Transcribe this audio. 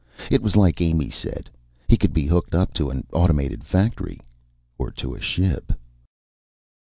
It was like Amy said: He could be hooked up to an automated factory Or to a ship.